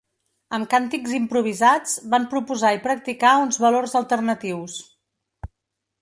Amb càntics improvisats, van proposar i practicar uns valors alternatius.